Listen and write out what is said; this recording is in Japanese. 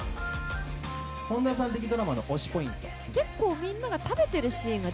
本田さん的ドラマの推しポイント？